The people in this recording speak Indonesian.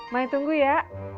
mari tunggu ya